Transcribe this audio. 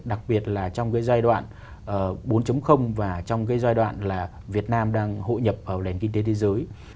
đặc biệt là trong cái giai đoạn bốn và trong cái giai đoạn là việt nam đang hội nhập ở lền kinh tế thế giới